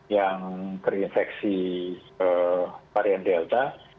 yang terinfeksi varian delta